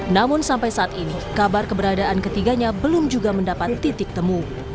namun sampai saat ini kabar keberadaan ketiganya belum juga mendapat titik temu